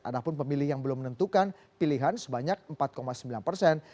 ada pun pemilih yang belum menentukan pilihan sebanyak empat sembilan persen